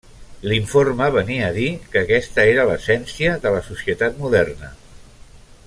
L'informe venia a dir que aquesta era l'essència de la societat moderna.